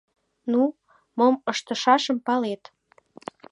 Ну, мом ыштышашым палет.